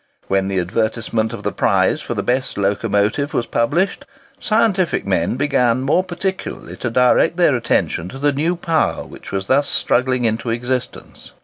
When the advertisement of the prize for the best locomotive was published, scientific men began more particularly to direct their attention to the new power which was thus struggling into existence.